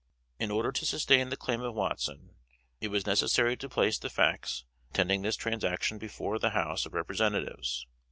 In order to sustain the claim of Watson, it was necessary to place the facts attending this transaction before the House of Representatives.